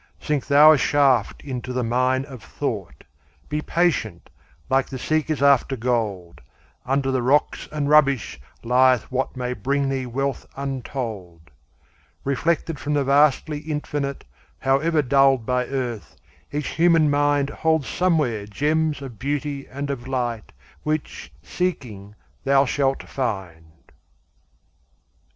Sink thou a shaft into the mine of thought; Be patient, like the seekers after gold; Under the rocks and rubbish lieth what May bring thee wealth untold. Reflected from the vastly Infinite, However dulled by earth, each human mind Holds somewhere gems of beauty and of light Which, seeking, thou shalt find.